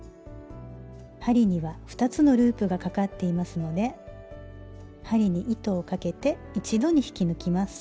針には２つのループがかかっていますので針に糸をかけて一度に引き抜きます。